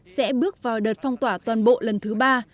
sẽ bước vào đợt phong tỏa toàn bộ lần thứ ba